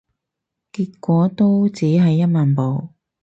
結果都只係一萬步